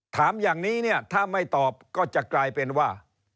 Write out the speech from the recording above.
ถามอย่างนี้เนี่ยถ้าไม่ตอบก็จะกลายเป็นว่า